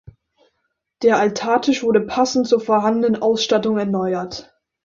Der Altartisch wurde passend zur vorhandenen Ausstattung erneuert.